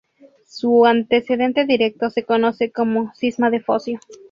Su antecedente directo se conoce como Cisma de Focio.